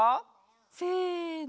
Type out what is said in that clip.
せの。